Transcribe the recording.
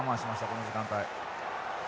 この時間帯。